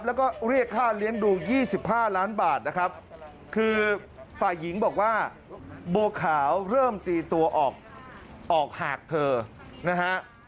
แล้วก็เรียกค่าเลี้ยงดู๒๕ล้านบาทนะครับคือฝ่ายหญิงบอกว่าบัวขาวเริ่มตีตัวออกหากเธอนะฮะ